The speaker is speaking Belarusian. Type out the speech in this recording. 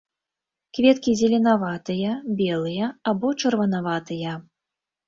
Кветкі зеленаватыя, белыя або чырванаватыя.